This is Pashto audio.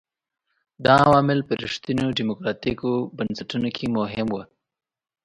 دا عوامل په رښتینو ډیموکراټیکو بنسټونو کې مهم وو.